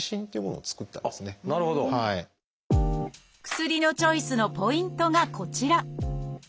薬のチョイスのポイントがこちら。